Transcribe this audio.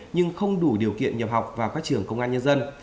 nhưng không đủ điều kiện nhập học vào các trường công an nhân dân